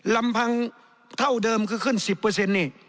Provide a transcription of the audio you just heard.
ลำพังเท่าเดิมก็ขึ้นสิบเปอร์เซ็นต์นี่